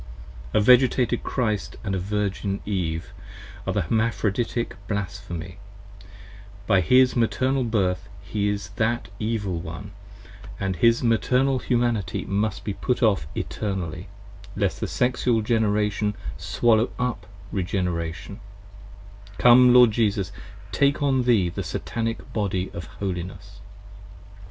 A Vegetated Christ & a Virgin Eve, are the Hermaphroditic 35 Blasphemy: by his Maternal Birth he is that Evil One And his Maternal Humanity must be put off Eternally, Lest the Sexual Generation swallow up Regeneration :, Come Lord Jesus, take on thee the Satanic Body of Holiness!